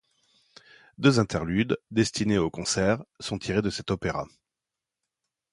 Deux interludes, destinés aux concerts, sont tirés de cet opéra.